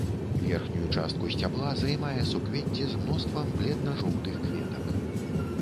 Верхнюю частку сцябла займае суквецце з мноствам бледна-жоўтых кветак.